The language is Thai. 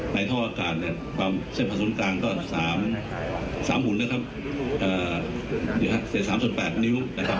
ในท่ออากาศเนี้ยเส้นผสมกลางก็สามสามหุ่นนะครับเอ่อเส้นสามส่วนแปดนิ้วนะครับ